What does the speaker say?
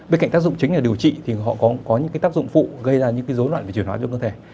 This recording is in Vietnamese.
bên cạnh tác dụng chính là điều trị thì họ có những cái tác dụng phụ gây ra những cái dối loạn về truyền hóa cho cơ thể